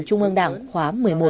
trung ương đảng khóa một mươi một